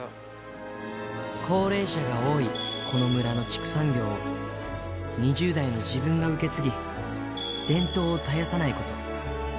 高齢者が多いこの村の畜産業を２０代の自分が受け継ぎ、伝統を絶やさないこと。